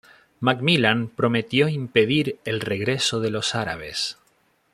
MacMillan prometió impedir el regreso de los árabes.